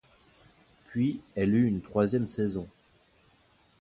Puis elle eut une troisième saison.